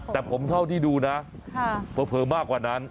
แต่ผมเท่าที่ดูนะเผลอมากกว่านั้น